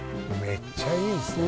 めっちゃいいですね。